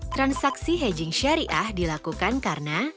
transaksi hedging syariah dilakukan karena